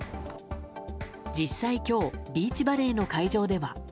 実際、今日ビーチバレーの会場では。